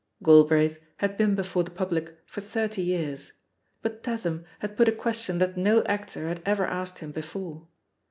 Galbraith had been before the public for thirty years, but Tatham had put a question that no actor had ever asked him before.